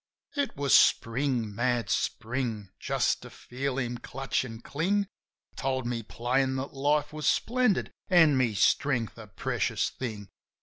It was Spring! Mad Spring! Just to feel him clutch an' cling Told me plain that life was splendid an' my strength a precious thing.